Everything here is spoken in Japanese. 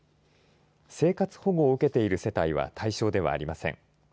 生活保護を受けている世帯は対象ではありません。